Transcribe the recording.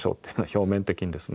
表面的にですね